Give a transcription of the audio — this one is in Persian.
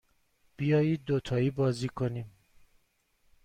بیایید دوتایی بازی کنیم.